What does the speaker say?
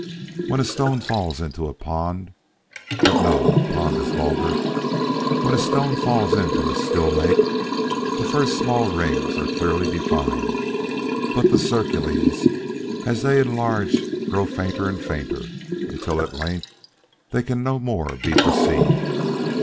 When a stone falls into a pond—but no, pond is vulgar—when a stone falls into a still lake, the first small rings are clearly defined, but the circlings as they enlarge grow fainter and fainter, until at length they can no more be perceived.